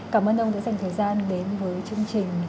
cảm ơn ông đã dành thời gian đến với chương trình